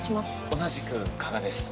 同じく加賀です。